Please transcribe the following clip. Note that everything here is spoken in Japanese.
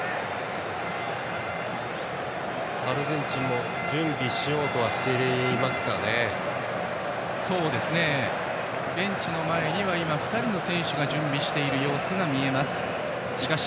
アルゼンチンも準備しようとはしてますかね。